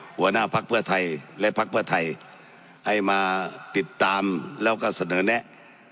หัวหน้าพักเพื่อไทยและพักเพื่อไทยให้มาติดตามแล้วก็เสนอแนะ